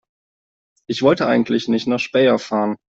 Ich wollte eigentlich nicht nach Speyer fahren